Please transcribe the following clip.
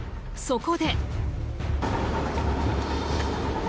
そこで。